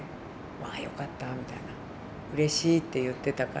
ああよかったみたいなうれしいって言ってたから。